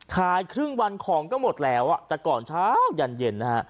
ขายครึ่งวันของก็หมดแล้วแต่ก่อนเช้ายันเย็นนะฮะ